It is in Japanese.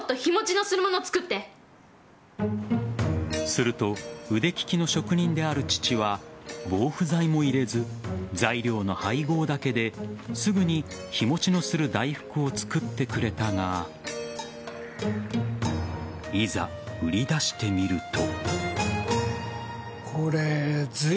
すると腕利きの職人である父は防腐剤も入れず材料の配合だけですぐに日持ちのする大福を作ってくれたがいざ、売り出してみると。